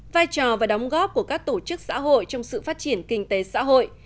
vai trò và đóng góp của các tổ chức xã hội trong sự phát triển kinh tế xã hội